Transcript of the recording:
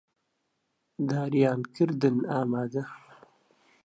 داریان کردن ئامادە